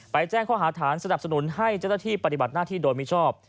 แจ้งข้อหาฐานสนับสนุนให้เจ้าหน้าที่ปฏิบัติหน้าที่โดยมิชอบ